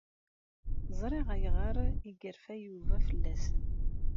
Ẓriɣ ayɣer ay yerfa Yuba fell-asen.